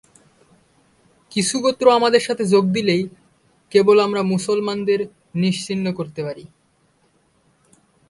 কিছু গোত্র আমাদের সাথে এসে যোগ দিলেই কেবল আমরা মুসলমানদের নিশ্চিহ্ন করতে পারি।